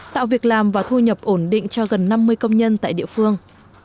tạo việc làm và thu nhập ổn định cho gần năm mươi công nhân tại địa phương